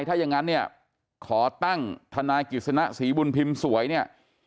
ถ้าอย่างนั้นเนี่ยขอตั้งทนายกิจสนะศรีบุญพิมพ์สวยเนี่ย